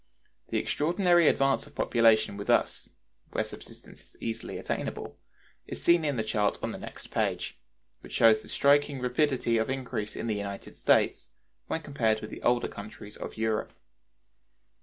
The extraordinary advance of population with us, where subsistence is easily attainable, is to be seen in the chart on the next page (No. III), which shows the striking rapidity of increase in the United States when compared with the older countries of Europe.